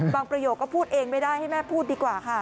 ประโยคก็พูดเองไม่ได้ให้แม่พูดดีกว่าค่ะ